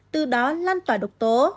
từ đó lan tỏa độc tố